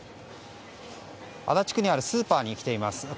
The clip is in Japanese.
足立区にあるスーパーに来ています。